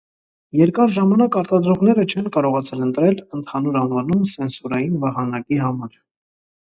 Երկար ժամանակ արտադրողները չեն կարողացել ընտրել ընդհանուր անվանում սենսորային վահանակի համար։